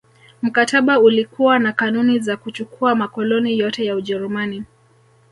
Mkataba ulikuwa na kanuni za kuchukua makoloni yote ya Ujerumani